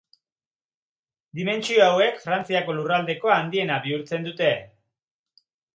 Dimentsio hauek Frantziako lurraldeko handiena bihurtzen dute.